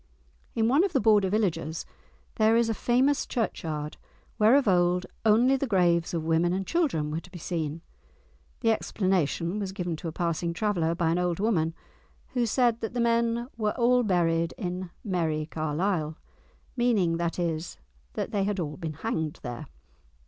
In one of the Border villages there is a famous churchyard where of old only the graves of women and children were to be seen. The explanation was given to a passing traveller by an old woman, who said that the men were all buried "in merrie Carlisle," meaning, that is, that they had all been hanged there!